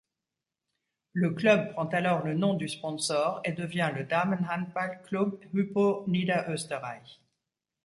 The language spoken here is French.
Le club prend alors le nom du sponsor et devient le Damenhandballklub Hypo Niederösterreich.